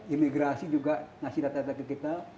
imigrasi juga ngasih data data ke kita